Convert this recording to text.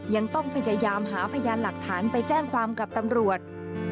ยังต้องพยายามหาพยานหลักฐานไปแจ้งความกับตำรวจ